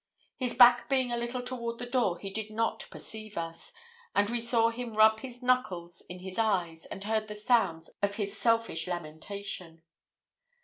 His back being a little toward the door, he did not perceive us; and we saw him rub his knuckles in his eyes, and heard the sounds of his selfish lamentation.